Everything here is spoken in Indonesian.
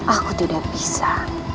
aku tidak bisa